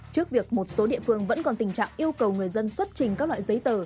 trước việc một số địa phương vẫn còn tình trạng yêu cầu người dân xuất trình các loại giấy tờ